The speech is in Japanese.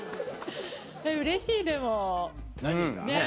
うれしいでもねっ。